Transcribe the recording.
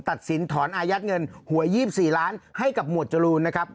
ตัดสินถอนอายัดเงินหวย๒๔ล้านให้กับหมวดจรูนนะครับ